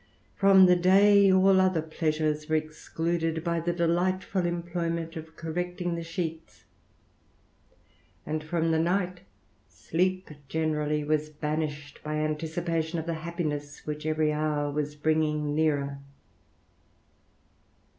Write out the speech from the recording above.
From the day all other pleasures were excluded, by the delightful employment of correcting the sheets ; and from the night, sleep generally *as banished, by anticipation of the happiness which every hour was bringing nearer.